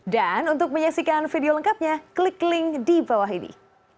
dan untuk menyaksikan video lengkapnya klik link di bawah ini